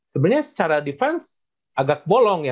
sebenarnya secara defense agak bolong ya